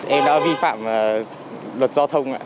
em đã vi phạm luật giao thông